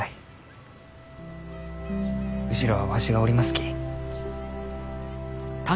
後ろはわしがおりますき。